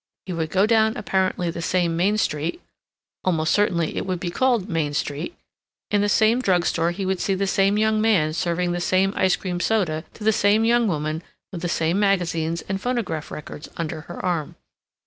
He would go down apparently the same Main Street (almost certainly it would be called Main Street); in the same drug store he would see the same young man serving the same ice cream soda to the same young woman with the same magazines and phonograph records under her arm.